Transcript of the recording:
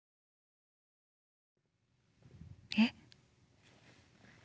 えっ。